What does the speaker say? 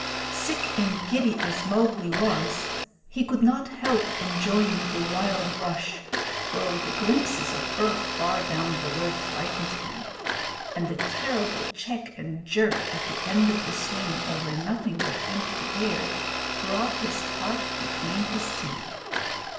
Sick and giddy as Mowgli was he could not help enjoying the wild rush, though the glimpses of earth far down below frightened him, and the terrible check and jerk at the end of the swing over nothing but empty air brought his heart between his teeth.